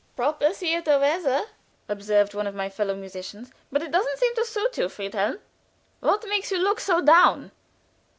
"Proper theater weather," observed one of my fellow musicians; "but it doesn't seem to suit you, Friedhelm. What makes you look so down?"